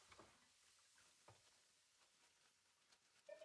ambazo ni muhium kwa shughuli za kilimo na ufugaji